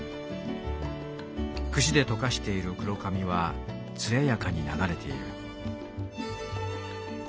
櫛でとかしている黒髪はつややかにながれている」。